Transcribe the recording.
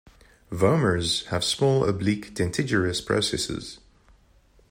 Vomers have small, oblique dentigerous processes.